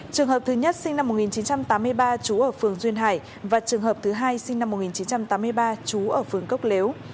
trường hợp thứ nhất sinh năm một nghìn chín trăm tám mươi ba trú ở phường duyên hải và trường hợp thứ hai sinh năm một nghìn chín trăm tám mươi ba trú ở phường cốc lếu